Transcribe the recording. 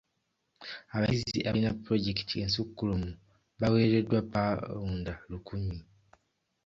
Abayizi abalina pulojekiti ensukkulumu baaweereddwa paawunda lukumi.